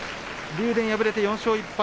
竜電敗れて４勝１敗。